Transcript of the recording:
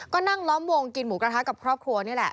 ก็นั่งล้อมวงกินหมูกระทะกับครอบครัวนี่แหละ